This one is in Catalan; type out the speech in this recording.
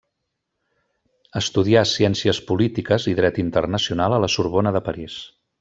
Estudià Ciències Polítiques i Dret Internacional a La Sorbona de París.